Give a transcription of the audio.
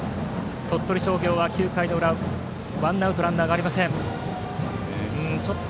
鳥取商業は９回裏ワンアウトランナーなし。